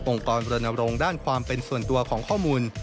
องค์กรเริ่มอารมณ์ด้านความเป็นส่วนตัวของข้อมูล